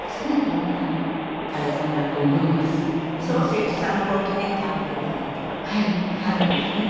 漱石山房記念館っていうのがあるんですね。